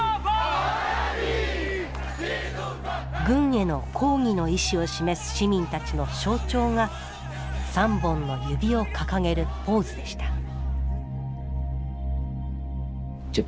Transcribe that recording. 軍への抗議の意思を示す市民たちの象徴が３本の指を掲げるポーズでした。